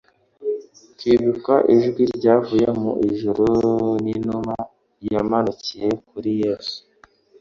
Kwibuka ijwi ryavuye mu ijuru n'inuma yamanukiye kuri Yesu,